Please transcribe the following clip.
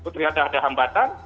ternyata ada hambatan